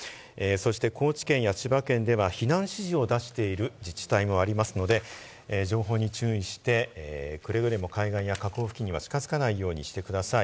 高知県や千葉県では避難指示を出している自治体もありますので、情報に注意して、くれぐれも海岸や河口付近には近づかないようにしてください。